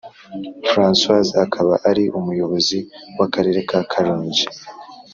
Francois akaba ari Umuyobozi w Akarere ka Karongi